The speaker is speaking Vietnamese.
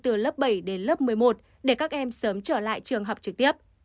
từ lớp bảy đến lớp một mươi một để các em sớm trở lại trường học trực tiếp